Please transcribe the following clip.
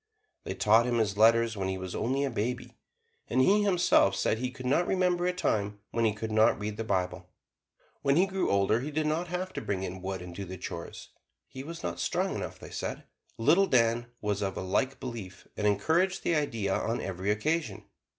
They taught him his letters when he was only a baby, and he himself said that he could not remember a time when he could not read the Bible. When he grew older he did not have to bring in wood and do the chores he was not strong enough, they said. Little Dan was of a like belief, and encouraged the idea on every occasion.